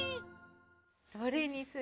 どれにする？